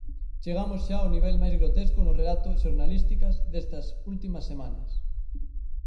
Chegamos xa ao nivel máis grotesco no relato xornalísticas destas últimas semanas.